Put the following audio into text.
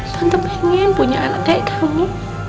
tante pengen punya anak kayak kamu